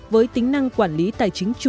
với tính năng quản lý tài chính chủ đầu